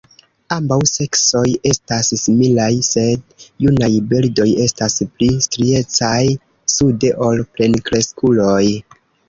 Ambaŭ seksoj estas similaj, sed junaj birdoj estas pli striecaj sube ol plenkreskuloj.